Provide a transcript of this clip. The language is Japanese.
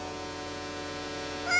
あ！